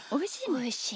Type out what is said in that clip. おいしい。